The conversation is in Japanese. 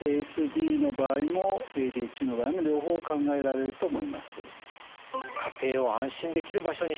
ＡＳＤの場合もＡＤＨＤの場合も両方考えられると思います。